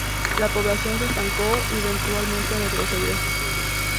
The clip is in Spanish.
La población se estancó y eventualmente retrocedió.